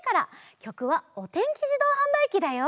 きょくは「おてんきじどうはんばいき」だよ。